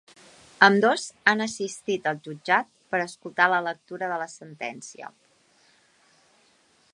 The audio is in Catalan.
Ambdós han assistit al jutjat per escoltar la lectura de la sentència.